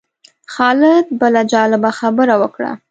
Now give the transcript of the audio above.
خالد بله جالبه خبره وکړه.